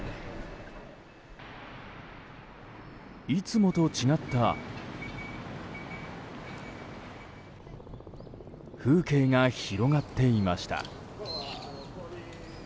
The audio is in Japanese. いつもと違った風景が広がっていました。